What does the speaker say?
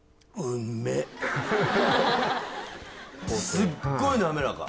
すっごいなめらか。